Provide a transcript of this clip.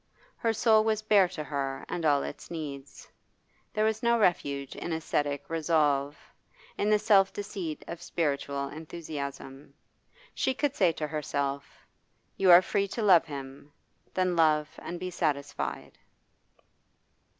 Her soul was bare to her and all its needs. There was no refuge in ascetic resolve, in the self deceit of spiritual enthusiasm. She could say to herself: You are free to love him; then love and be satisfied.